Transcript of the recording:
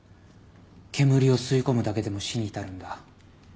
煙を吸い込むだけでも死に至るんだ。